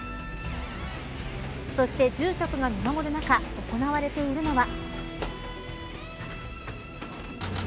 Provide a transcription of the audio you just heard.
そして住職が見守る中行われているのは。